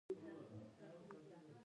دوی د ماشومانو ساتنه کوي.